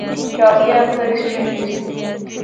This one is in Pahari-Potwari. شازیہ اکثر اس چھیڑنی سی